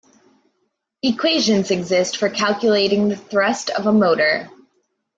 Equations exist for calculating the thrust of a motor.